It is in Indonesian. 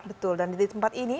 betul dan di tempat ini